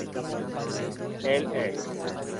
El Ec.